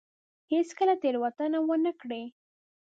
هېڅ کله تېروتنه ونه کړي.